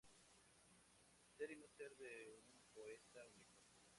Ser y no ser de un poeta único".